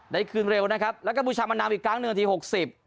ได้คืนเร็วนะครับแล้วก็บูชามานำอีกครั้งหนึ่งนาทีหกสิบ